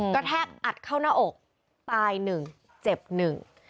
แทกอัดเข้าหน้าอกตายหนึ่งเจ็บหนึ่ง